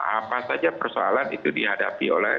apa saja persoalan itu dihadapi oleh